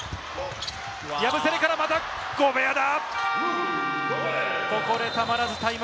ヤブセレからまたゴベアだ。